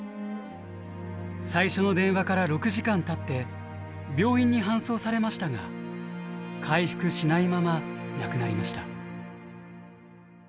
最初の電話から６時間たって病院に搬送されましたが回復しないまま亡くなりました。